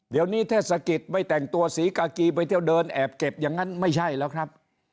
เดี๋ยวนี้เทศกิจไม่แต่งตัวสีกากีไปเที่ยวเดินแอบเก็บอย่างนั้นไม่ใช่แล้วครับ